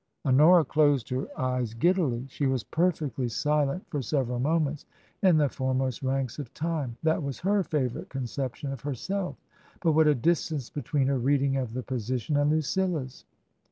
Honora closed her eyes giddily. She was perfectly silent for several moments. " In the foremost ranks of timer That was her favourite conception of herself; but what a distance between her reading of the position and Lucilla's